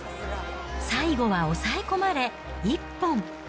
最後は抑え込まれ一本。